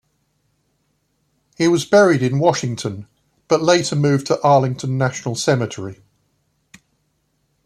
He was buried in Washington, but later moved to Arlington National Cemetery.